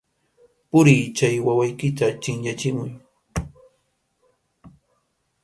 ¡Puriy, chay wawaykita chʼinyachimuy!